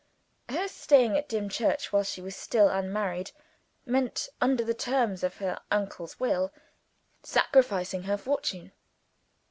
Her staying at Dimchurch, while she was still unmarried, meant (under the terms of her uncle's will) sacrificing her fortune.